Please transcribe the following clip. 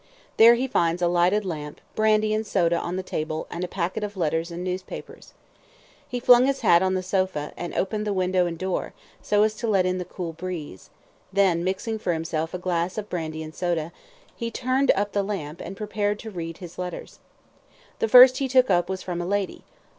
There he finds a lighted lamp, brandy and soda on the table, and a packet of letters and newspapers. He flung his hat on the sofa, and opened the window and door, so as to let in the cool breeze; then mixing for himself a glass of brandy and soda, he turned up the lamp, and prepared to read his letters. The first he took up was from a lady.